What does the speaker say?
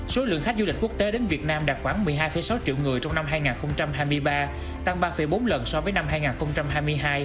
số lượng khách du lịch quốc tế đến việt nam đạt khoảng một mươi hai sáu triệu người trong năm hai nghìn hai mươi ba tăng ba bốn lần so với năm hai nghìn hai mươi hai